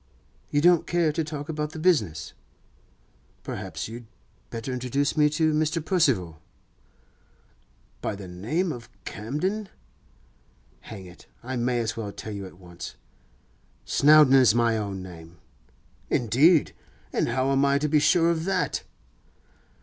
'You don't care to talk about the business? Perhaps you'd better introduce me to Mr. Percival.' 'By the name of Camden?' 'Hang it! I may as well tell you at once. Snowdon is my own name.' 'Indeed? And how am I to be sure of that?